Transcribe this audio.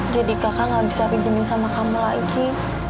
jadi kakak gak bisa pinjemin sama kamu lagi